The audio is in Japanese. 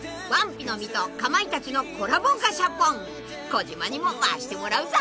児嶋にも回してもらうぞ］